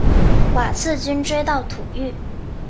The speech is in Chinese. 瓦剌军追到土域。